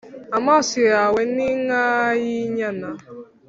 Amaso yawe ni nk’ay’inyana